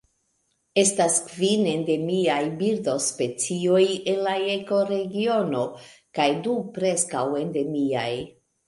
Estas kvin endemiaj birdospecioj en la ekoregiono kaj du preskaŭ endemiaj.